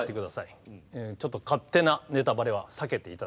ちょっと勝手なネタバレは避けていただきたいと思います。